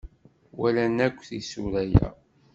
Walan akk isura-a.